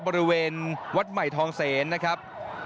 บริเวณวัดใหม่ทองเสนนะครับ